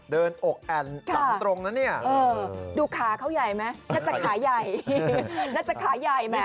อกแอ่นหลังตรงนะเนี่ยดูขาเขาใหญ่ไหมน่าจะขาใหญ่น่าจะขาใหญ่ไหม